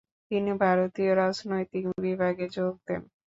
তিনি ভারতীয় রাজনৈতিক বিভাগে যোগ দেন।